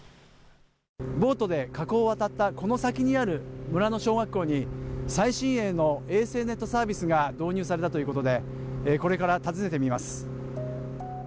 ボートで河口を渡ったこの先にある村の小学校に最新鋭の衛星ネットサービスが導入されたということでこれから訪ねてみます。